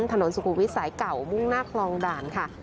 ถนนสุขุมวิทย์สายเก่ามุ่งหน้าคลองด่านค่ะ